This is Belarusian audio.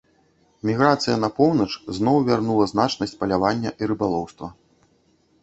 Міграцыя на поўнач зноў вярнула значнасць палявання і рыбалоўства.